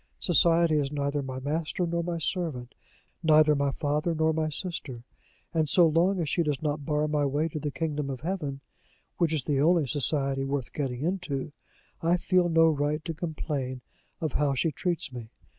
Society is neither my master nor my servant, neither my father nor my sister; and so long as she does not bar my way to the kingdom of heaven, which is the only society worth getting into, I feel no right to complain of how she treats me.